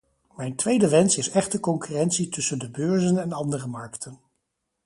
Mijn tweede wens is echte concurrentie tussen de beurzen en andere markten.